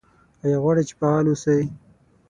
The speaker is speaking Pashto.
ایا غواړئ چې فعال اوسئ؟